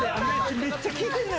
めっちゃ聞いてるのよ